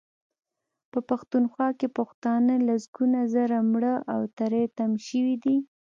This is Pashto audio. په پښتونخوا کې پښتانه لسګونه زره مړه او تري تم شوي دي.